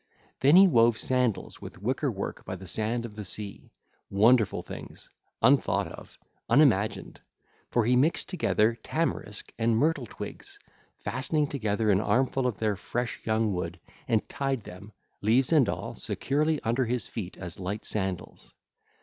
Then he wove sandals with wicker work by the sand of the sea, wonderful things, unthought of, unimagined; for he mixed together tamarisk and myrtle twigs, fastening together an armful of their fresh, young wood, and tied them, leaves and all securely under his feet as light sandals.